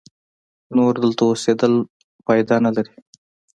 نور دلته اوسېدل پایده نه لري.